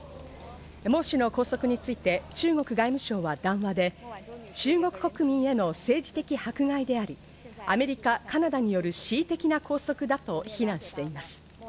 モウ氏の拘束について中国外務省は談話で中国国民への政治的迫害であり、アメリカ、カナダによる恣意的な高速だと非難しています。